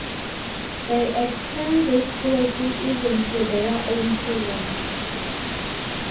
They extend this cruelty even to their own children.